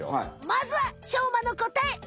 まずはしょうまのこたえ！